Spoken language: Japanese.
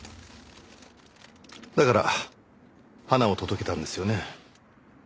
だから花を届けたんですよね。